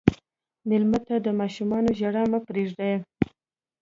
مېلمه ته د ماشوم ژړا مه پرېږده.